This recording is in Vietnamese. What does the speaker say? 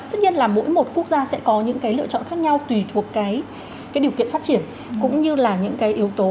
tất nhiên là mỗi một quốc gia sẽ có những cái lựa chọn khác nhau tùy thuộc cái điều kiện phát triển cũng như là những cái yếu tố